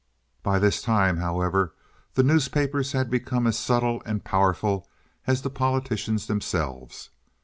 By this time, however, the newspapers had become as subtle and powerful as the politicians themselves.